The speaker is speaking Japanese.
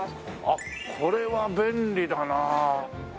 あっこれは便利だな。